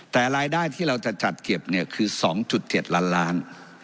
แต่รายได้ที่เราจะจัดเก็บเนี่ยคือ๒๗ล้านล้าน